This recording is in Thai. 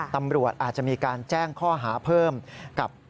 ตำรวจอาจจะมีการแจ้งข้อหาเพิ่มกับ